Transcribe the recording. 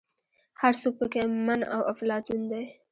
هر څوک په کې من او افلاطون دی.